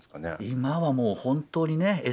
今はもう本当にね